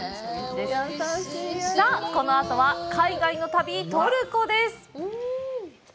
さあ、この後は海外の旅、トルコです！